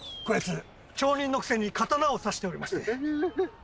こやつ町人のくせに刀を差しておりまして。